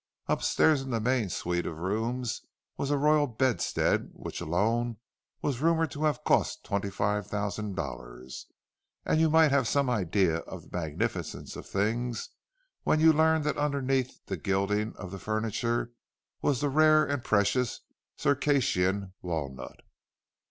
Upstairs in the main suite of rooms was a royal bedstead, which alone was rumoured to have cost twenty five thousand dollars; and you might have some idea of the magnificence of things when you learned that underneath the gilding of the furniture was the rare and precious Circassian walnut.